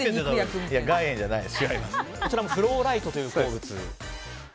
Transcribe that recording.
こちらはフローライトという鉱物です。